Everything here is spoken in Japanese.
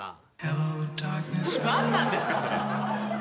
何なんですかそれ。